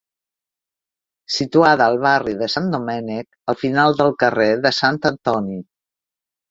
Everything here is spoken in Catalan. Situada al barri de Sant Domènec, al final del carrer de Sant Antoni.